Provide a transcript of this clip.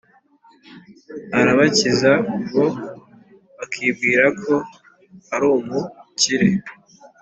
arabakiza, bo bakibwira ko, arumukire